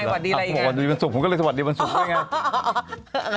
สวัสดีแล้วไงสวัสดีวันศุกร์ผมก็เลยสวัสดีวันศุกร์ด้วยไง